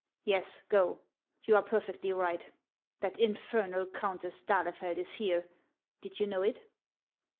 Yes, go ; you are per fectly right. That infernal Countess d'Ahlefeld is here ; did you know it